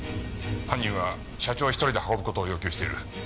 犯人は社長１人で運ぶ事を要求している。